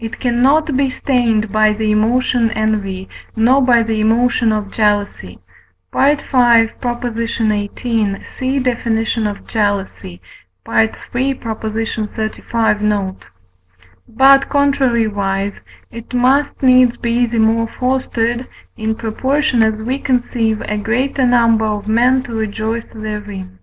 it cannot be stained by the emotion envy, nor by the emotion of jealousy (V. xviii. see definition of Jealousy, III. xxxv. note); but, contrariwise, it must needs be the more fostered, in proportion as we conceive a greater number of men to rejoice therein.